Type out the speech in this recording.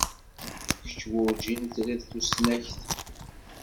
Kečč werǧin trid tusnakt.